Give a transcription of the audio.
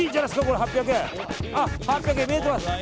８００円見えています。